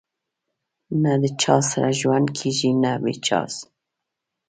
نه د چا سره ژوند کېږي نه بې چا